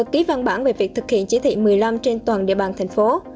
ký văn bản về việc thực hiện chỉ thị một mươi năm trên toàn địa bàn thành phố